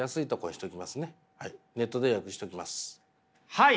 はい。